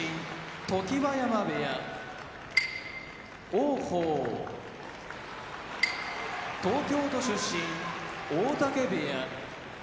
常盤山部屋王鵬東京都出身大嶽部屋